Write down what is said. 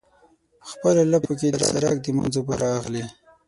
په خپلو لپو کې د سرک د منځ اوبه رااخلي.